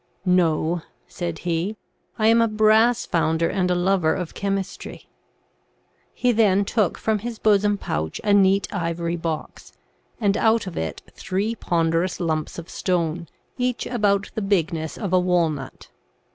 ' No,' said he, ' I am a brass founder, and a lover of chemistry. 1 He then took from his bosom pouch a neat ivory box, and out of it three ponderous lumps of stone, each about the bigness of a walnut.